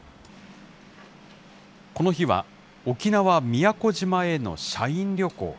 この日は沖縄・宮古島への社員旅行。